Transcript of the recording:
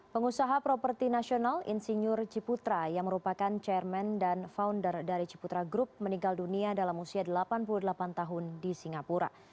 pengusaha properti nasional insinyur ciputra yang merupakan chairman dan founder dari ciputra group meninggal dunia dalam usia delapan puluh delapan tahun di singapura